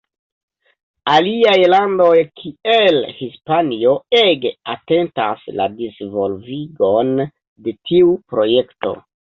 Aliaj landoj kiel Hispanio ege atentas la disvolvigon de tiu projekto.